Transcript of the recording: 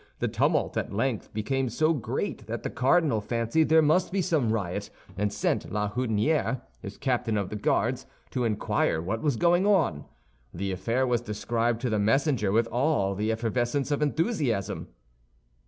The tumult at length became so great that the cardinal fancied there must be some riot, and sent La Houdinière, his captain of the Guards, to inquire what was going on. The affair was described to the messenger with all the effervescence of enthusiasm.